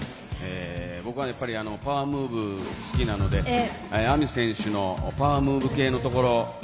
僕はパワームーブが好きなのでＡＭＩ選手のパワームーブ系のところ。